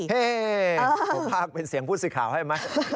เฮ่ยโปรภาคเป็นเสียงพูดสื่อข่าวให้ไหม